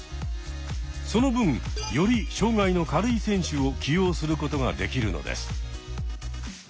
その分より障害の軽い選手を起用することができるのです。